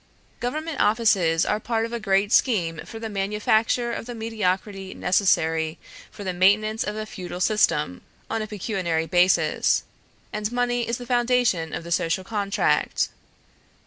Government offices are part of a great scheme for the manufacture of the mediocrity necessary for the maintenance of a Feudal System on a pecuniary basis and money is the foundation of the Social Contract.